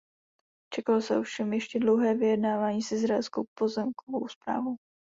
Čekalo se ovšem ještě dlouhé vyjednávání s Izraelskou pozemkovou správou.